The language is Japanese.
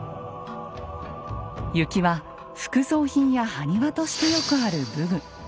靫は副葬品や埴輪としてよくある武具。